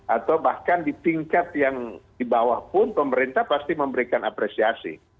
atau bahkan di tingkat yang di bawah pun pemerintah pasti memberikan apresiasi